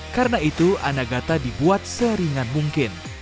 karena itu anagata dibuat seringan mungkin